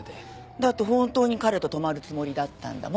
だって本当に彼と泊まるつもりだったんだもん。